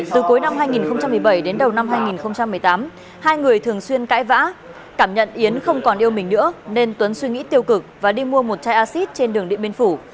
từ cuối năm hai nghìn một mươi bảy đến đầu năm hai nghìn một mươi tám hai người thường xuyên cãi vã cảm nhận yến không còn yêu mình nữa nên tuấn suy nghĩ tiêu cực và đi mua một chai acid trên đường điện biên phủ